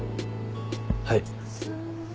はい。